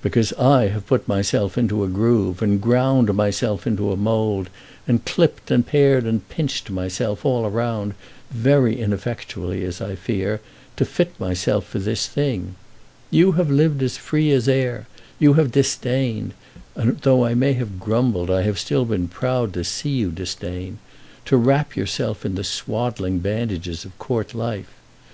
"Because I have put myself into a groove, and ground myself into a mould, and clipped and pared and pinched myself all round, very ineffectually, as I fear, to fit myself for this thing. You have lived as free as air. You have disdained, and though I may have grumbled I have still been proud to see you disdain, to wrap yourself in the swaddling bandages of Court life.